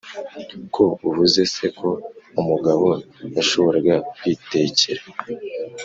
Ko uvuze se ko umugabo yashoboraga kwitekera